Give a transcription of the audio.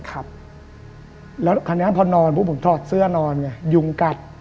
ครับแล้วคราวนี้พอนอนปุ๊บผมถอดเสื้อนอนไงยุงกัด